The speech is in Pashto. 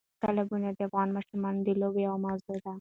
تالابونه د افغان ماشومانو د لوبو یوه موضوع ده.